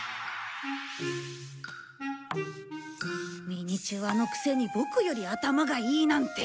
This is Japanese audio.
ミニチュアのくせにボクより頭がいいなんて！